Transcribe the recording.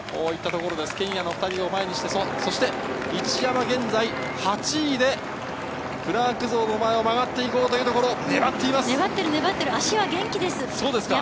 ケニアの２人を前にして、そして一山、現在８位でクラーク像の前を曲がっていこうというと足は元気です。